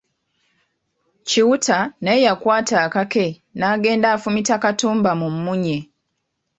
Kiwutta naye yakwata akake n’agenda afumita Katumba mu munnye.